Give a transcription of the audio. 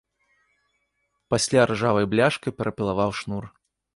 Пасля ржавай бляшкай перапілаваў шнур.